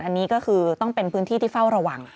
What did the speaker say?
อันนี้ก็คือต้องเป็นพื้นที่ที่เฝ้าระวัง